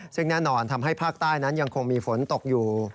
ซึ่งแน่นอนทำให้ภาคใต้นั้นยังคงมีฝนตกอยู่